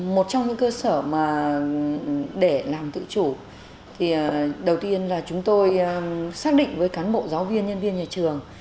một trong những cơ sở mà để làm tự chủ thì đầu tiên là chúng tôi xác định với cán bộ giáo viên nhân viên nhà trường